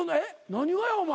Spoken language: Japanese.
何がやお前。